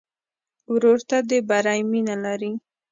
ورور ته د بری مینه لرې.